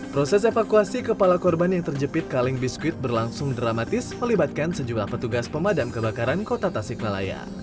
proses evakuasi kepala korban yang terjepit kaleng biskuit berlangsung dramatis melibatkan sejumlah petugas pemadam kebakaran kota tasikmalaya